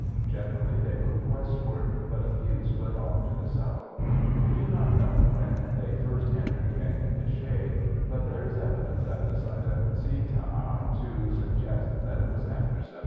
Generally they moved westward, but a few split off to the south. We do not know when they first entered Canyon de Chelly, but there is evidence at the site of Tse ta'a to suggest that it was after 1700.